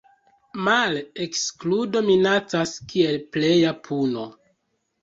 Male, ekskludo minacas kiel pleja puno.